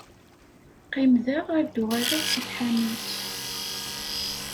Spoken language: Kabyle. Qim da ar d-uɣaleɣ seg tḥanut.